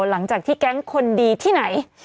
หลังจากที่แก๊งคนดีที่ไหน